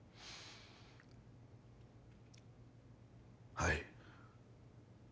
はい。